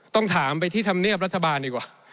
ต้องถามไปที่ธรรมเนียบรัฐบาลดีกว่า